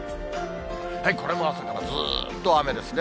これも朝からずーっと雨ですね。